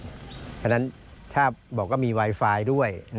เพราะฉะนั้นถ้าบอกว่ามีไวไฟด้วย